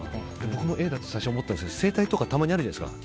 僕もＡだって最初、思ったんですけど整体とかたまにあるじゃないですか。